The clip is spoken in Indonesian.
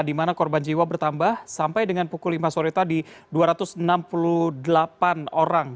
di mana korban jiwa bertambah sampai dengan pukul lima sore tadi dua ratus enam puluh delapan orang